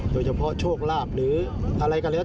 โดยเฉพาะโชคลาบหรืออะไรก็แล้ว